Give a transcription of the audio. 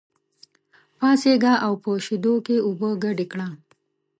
پاڅېږه او په شېدو کې اوبه ګډې کړه.